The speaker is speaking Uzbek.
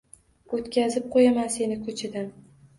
O‘tkazib qo‘yaman seni ko‘chadan.